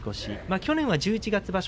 去年は十一月場所